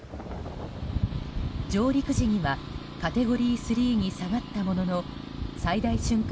上陸時にはカテゴリー３に下がったものの最大瞬間